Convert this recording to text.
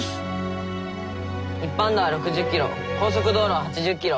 一般道は６０キロ高速道路は８０キロ。